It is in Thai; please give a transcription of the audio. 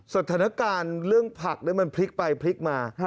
สถานการณ์เรื่องผักมันพลิกไปพลิกมา